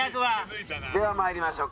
では参りましょう。